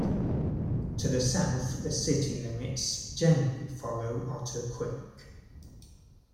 To the south, the city limits generally follow Otter Creek.